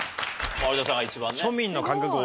有田さんが一番ね。